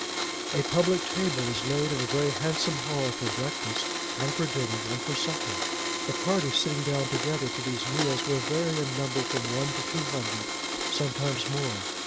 A public table is laid in a very handsome hall for breakfast, and for dinner, and for supper. The party sitting down together to these meals will vary in number from one to two hundred: sometimes more.